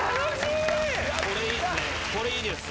これいいですね。